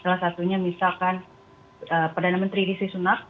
salah satunya misalkan perdana menteri risi sunak